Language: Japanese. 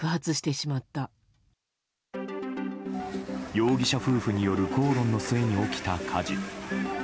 容疑者夫婦による口論の末に起きた火事。